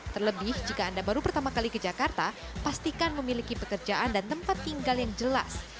terlebih jika anda baru pertama kali ke jakarta pastikan memiliki pekerjaan dan tempat tinggal yang jelas